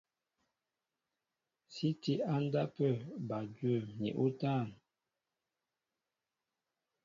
Sí tí á ndápə̂ bal dwə̂m ni útân.